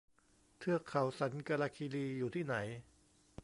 เทือกเขาสันกาลาคีรี อยู่ที่ไหน